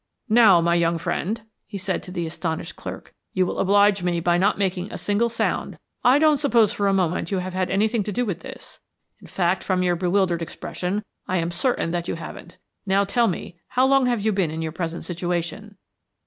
"Now, my young friend," he said to the astonished clerk, "you will oblige me by not making a single sound. I don't suppose for a moment you have had anything to do with this; in fact, from your bewildered expression, I am certain that you haven't. Now tell me how long have you been in your present situation."